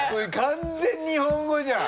完全に日本語じゃん。